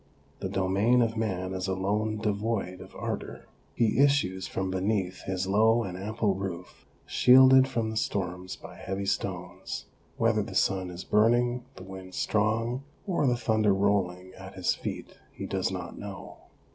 The domain of man is alone devoid of ardour. He issues from beneath his low and ample roof, shielded from the storms by heavy stones ; whether the sun is burning, the wind strong, or the thunder rolling at his feet, he does not know.